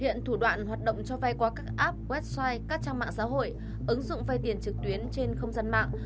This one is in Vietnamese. hiện thủ đoạn hoạt động cho vay qua các app website các trang mạng xã hội ứng dụng vay tiền trực tuyến trên không gian mạng